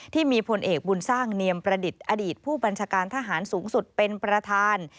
ที่มีพลเอกบุญสร้างเนียมประดิษฐ์อดีตผู้บัญชาการทหารสูงสุดเป็นประธาน